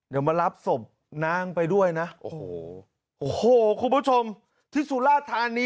เดี่ยวมารับสมนางไปด้วยนะ